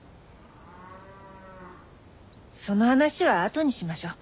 その話はあとにしましょう。